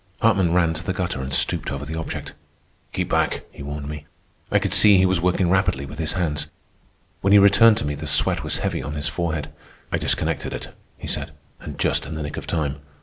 Hartman ran to the gutter and stooped over the object. "Keep back," he warned me. I could see he was working rapidly with his hands. When he returned to me the sweat was heavy on his forehead. "I disconnected it," he said, "and just in the nick of time.